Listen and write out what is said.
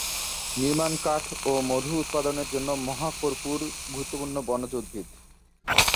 নির্মাণ কাঠ ও মধু উৎপাদনের জন্য মহা কর্পূর গুরুত্বপূর্ণ বনজ উদ্ভিদ।